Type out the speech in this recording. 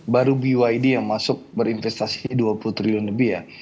baru bid yang masuk berinvestasi dua puluh triliun lebih ya